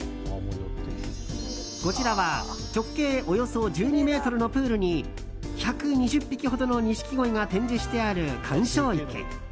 こちらは直径およそ１２ｍのプールに１２０匹ほどのニシキゴイが展示してある観賞池。